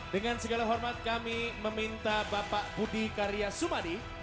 dengan segala hormat kami meminta bapak budi karya sumadi